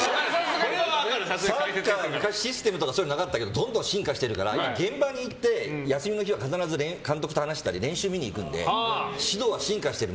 サッカー、昔システムとかそういうのはなかったけどどんどん進化してるけど現場に行って、休みの日は必ず監督と話したり練習を見に行くので指導は進化してる。